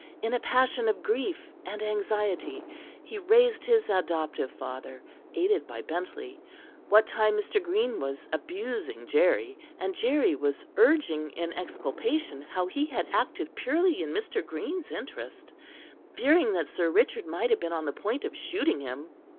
In a passion of grief and anxiety, he raised his adoptive father, aided by Bentley, what time Mr. Green was abusing Jerry, and Jerry was urging in exculpation how he had acted purely in Mr. Green's interest, fearing that Sir Richard might have been on the point of shooting him.